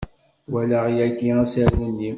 Walaɣ yagi asaru-nni.